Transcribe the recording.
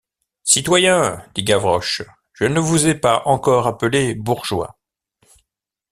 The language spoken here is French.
Citoyen, dit Gavroche, je ne vous ai pas encore appelé bourgeois.